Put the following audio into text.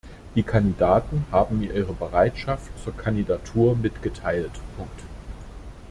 Die Kandidaten haben mir ihre Bereitschaft zur Kandidatur mitgeteilt.